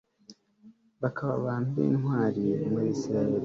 bakaba abantu b'intwari muri israheli